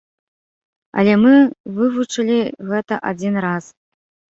Але мы вывучылі гэта адзін раз.